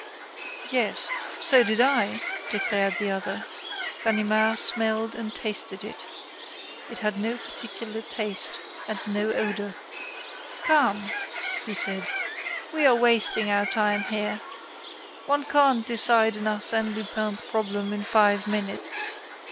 "Yes." "So did I," declared the other. Ganimard smelled and tasted it. It had no particular taste and no odor. "Come," he said, "we are wasting our time here. One can't decide an Arsène Lupin problem in five minutes.